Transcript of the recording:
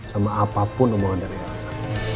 sama apapun omongan dari rasa